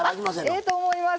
ええと思います。